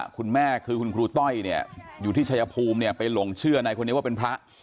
คุณแม่คือคุณครูต้อยเนี่ยอยู่ที่ชายภูมิเนี่ยไปหลงเชื่อในคนนี้ว่าเป็นพระ